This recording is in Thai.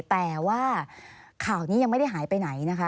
แต่ว่าข่าวนี้ยังไม่ได้หายไปไหนนะคะ